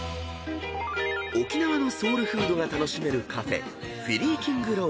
［沖縄のソウルフードが楽しめるカフェ］